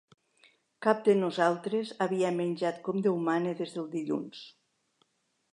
Cap de nosaltres havia menjat com Déu mana des del dilluns